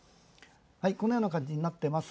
このような感じになっています。